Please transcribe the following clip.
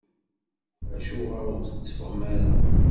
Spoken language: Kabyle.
Acuɣer ur tetteffɣem ara?